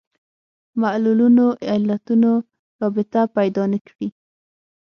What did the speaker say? معلولونو علتونو رابطه پیدا نه کړي